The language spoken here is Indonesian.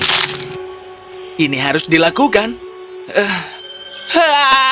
dia melihat sekeliling tapi hanya bisa menemukan perangku